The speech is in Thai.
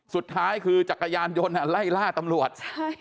สุดท้ายคือจักรยานยนต์ไล่ล่าตำรวจ